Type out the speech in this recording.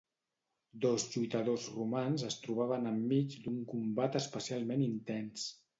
Dos lluitadors romans es trobaven enmig d'un combat especialment intens.